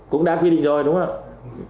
cũng đã quy định rồi đúng không ạ